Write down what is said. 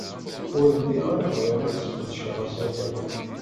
Ur lliɣ ara bɣiɣ ad sqedceɣ asawal.